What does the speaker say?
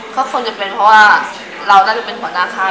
เขาคงเต็มว่าเราจะเป็นหัวหน้าค่ะ